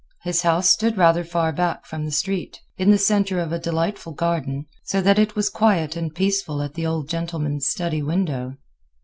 His house stood rather far back from the street, in the center of a delightful garden, so that it was quiet and peaceful at the old gentleman's study window.